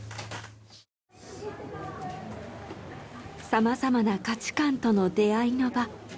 さまざまな価値観との出会いの場。